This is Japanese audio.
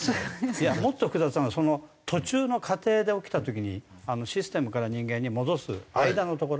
いやもっと複雑なのは途中の過程で起きた時にシステムから人間に戻す間のところ。